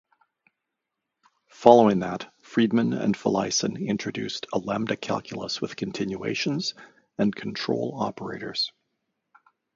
Following that, Friedman and Felleisen introduced a lambda calculus with continuations and control operators.